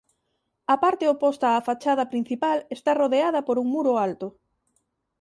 A parte oposta á fachada principal está rodeada por un muro alto.